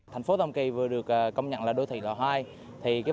thành phố tam kỳ vừa được công nhận là đô thị lò hai